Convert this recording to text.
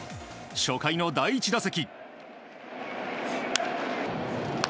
初回の第１打席。